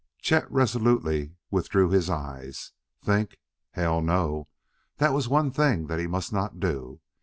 Chet resolutely withdrew his eyes. Think? Hell, no! That was one thing that he must not do.